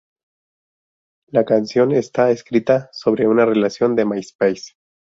La canción está escrita sobre una relación de MySpace.